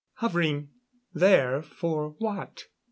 Hovering there, for what?